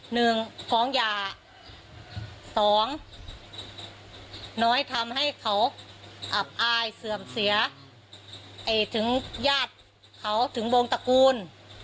หนึ่งฟ้องยาสองน้อยทำให้เขาอับอายเสื่อมเสียถึงญาติเขาถึงวงตระกูล